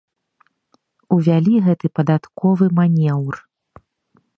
Увялі гэты падатковы манеўр.